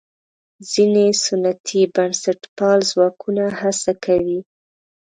ځینې سنتي بنسټپال ځواکونه هڅه کوي.